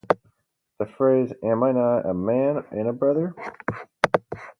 The phrase Am I not a man and a brother?